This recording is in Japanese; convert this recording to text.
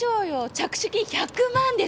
着手金１００万ですよ。